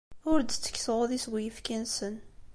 Ur d-ttekkseɣ udi seg uyefki-nsen.